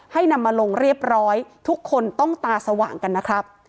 นำมาลงเรียบร้อยทุกคนต้องตาสว่างกันนะครับ